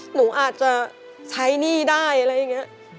หนูอาจจะใช้หนี้ได้อะไรอย่างนี้